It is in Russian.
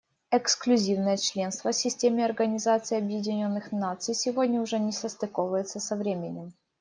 Эксклюзивное членство в системе Организации Объединенных Наций сегодня уже не состыковывается со временем.